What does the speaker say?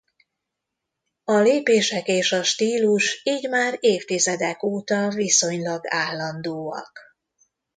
A lépések és a stílus így már évtizedek óta viszonylag állandóak.